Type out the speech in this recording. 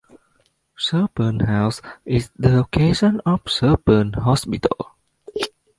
Sherburn House is the location of Sherburn Hospital.